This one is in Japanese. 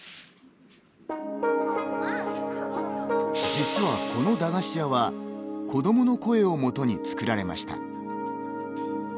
実はこの駄菓子屋は子どもの声をもとに作られました。